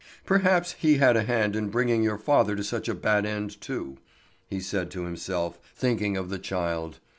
"Perhaps he had a hand in bringing your father to such a bad end too," he said to himself, thinking of the child.